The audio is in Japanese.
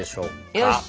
よし！